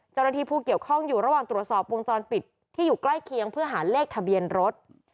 เจ้าหน้าที่ผู้เกี่ยวข้องอยู่ระหว่างตรวจสอบวงจรปิดที่อยู่ใกล้เคียงเพื่อหาเลขทะเบียนรถ